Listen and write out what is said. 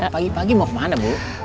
pagi pagi mau kemana bu